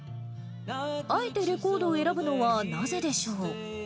あえてレコードを選ぶのは、なぜでしょう。